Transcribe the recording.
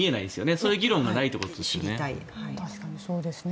そういう議論がないということですよね。